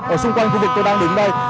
ở xung quanh khu vực tôi đang đứng đây